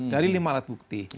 dari lima alat bukti